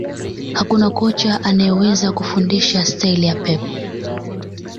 Hakuna kocha anayeweza kufundisha staili ya Pep